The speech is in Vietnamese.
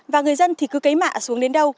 và người dân thì cứ cấy mạ xuống đến đâu